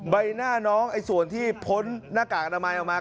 ใบหน้าน้องส่วนที่พ้นหน้ากากอนามัยออกมา